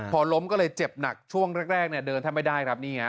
พอล้มก็เลยเจ็บหนักช่วงแรกเนี่ยเดินแทบไม่ได้ครับนี่ฮะ